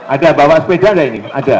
ada bawa sepeda ada ini ada